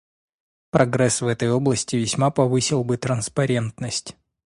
Прогресс в этой области весьма повысил бы транспарентность.